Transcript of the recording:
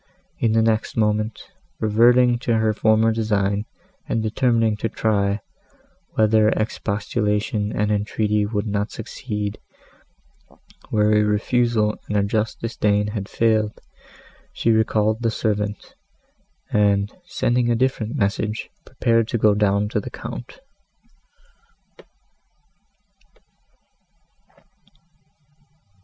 In the next moment, reverting to her former design, and determining to try, whether expostulation and entreaty would not succeed, where a refusal and a just disdain had failed, she recalled the servant, and, sending a different message, prepared to go down to the Count.